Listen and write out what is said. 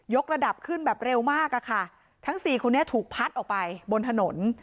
กระดับขึ้นแบบเร็วมากอะค่ะทั้งสี่คนนี้ถูกพัดออกไปบนถนน